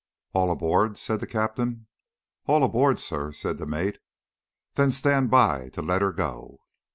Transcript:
"All aboard?" said the captain. "All aboard, sir!" said the mate. "Then stand by to let her go."